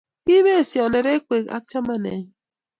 Kiibesion nerekwek ak chamanenyu